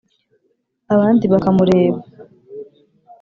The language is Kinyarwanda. Abandi bakamureba